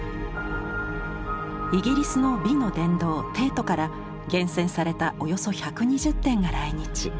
イギリスの美の殿堂テートから厳選されたおよそ１２０点が来日。